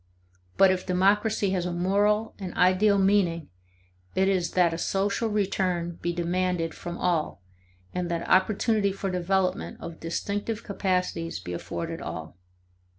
But if democracy has a moral and ideal meaning, it is that a social return be demanded from all and that opportunity for development of distinctive capacities be afforded all.